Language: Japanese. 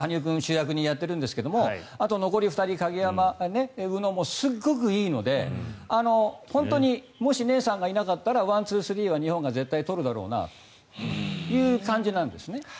羽生君、もちろん今日は羽生君が主役でやってるんですがあと残り２人鍵山、宇野もすごくいいので、本当にもしネイサンがいなかったらワン、ツー、スリーは日本が絶対取るだろうなという感じなんですね。